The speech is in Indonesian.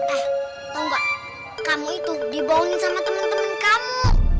eh tau gak kamu itu dibawahin sama temen temen kamu